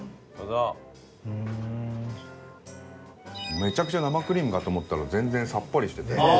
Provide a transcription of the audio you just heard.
めちゃくちゃ生クリームかと思ったら全然さっぱりしてて。